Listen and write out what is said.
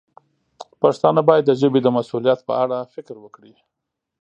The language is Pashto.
پښتانه باید د ژبې د مسوولیت په اړه فکر وکړي.